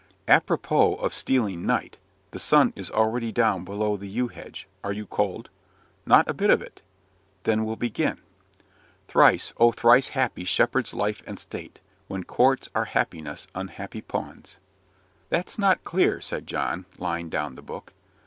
"Apropos of 'stealing night,' the sun is already down below the yew hedge. Are you cold?" "Not a bit of it." "Then we'll begin: 'Thrice, oh, thrice happy, shepherd's life and state: When courts are happiness, unhappy pawns!' That's not clear," said John, laying down the book.